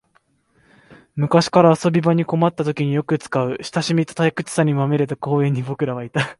昔から遊び場に困ったときによく使う、親しみと退屈さにまみれた公園に僕らはいた